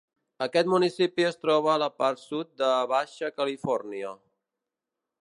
Aquest municipi es troba a la part sud de Baixa Califòrnia.